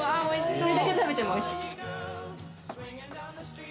それだけ食べてもおいしい。